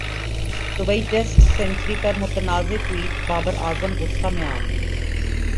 Dubai test century پر متنازع tweet Babar Azam غصہ میں اگئے